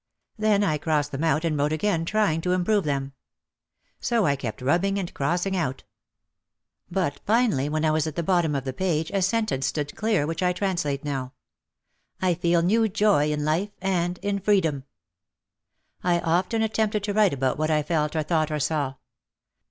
Then I crossed them out and wrote again trying to improve them. So I kept rubbing and crossing out. But finally when I was at 230 OUT OF THE SHADOW the bottom of the page a sentence stood clear which I translate now. "I feel new joy in life and in freedom." I often attempted to write about what I felt or thought or saw.